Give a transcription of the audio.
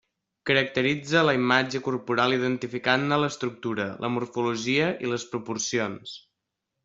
Caracteritza la imatge corporal identificant-ne l'estructura, la morfologia i les proporcions.